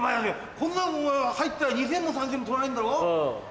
こんなんお前入ったら２０００円も３０００円も取られんだろ？